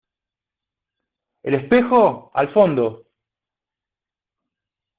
el espejo, al fondo.